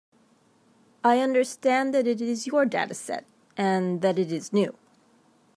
I understand that it is your dataset, and that it is new.